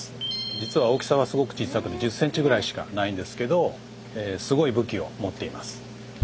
実は大きさはすごく小さくて１０ｃｍくらいしかないんですけどすごい武器を持っています。